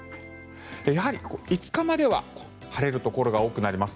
やはり５日までは晴れるところが多くなります。